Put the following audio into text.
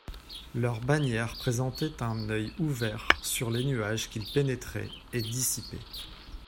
Leur bannière présentait un oeil ouvert sur les nuages qu'il pénétrait et dissipait.